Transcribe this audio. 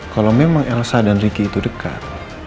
kalau memang elsa dan ricky itu dekat